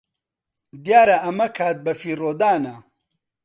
دیارە ئەمە کات بەفیڕۆدانە.